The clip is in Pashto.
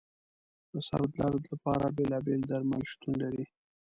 د سر درد لپاره بېلابېل درمل شتون لري.